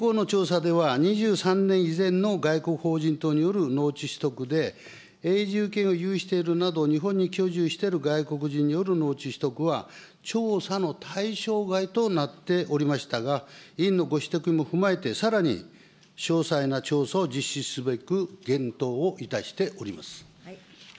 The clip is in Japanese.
現行の調査では、農地取得で、永住権を有しているなど、日本に居住している外国人による農地取得は、調査の対象外となっておりましたが、委員のご指摘も踏まえて、さらに詳細な調査を実施すべく、検討をいたしております。